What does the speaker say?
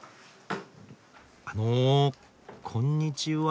あのこんにちは。